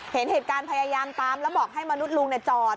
เห็นเหตุการณ์พยายามตามแล้วบอกให้มนุษย์ลุงจอด